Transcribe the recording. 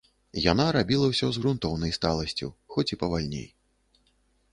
Яна рабіла ўсё з грунтоўнай сталасцю, хоць і павальней.